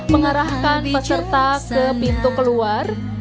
mengarahkan peserta ke pintu keluar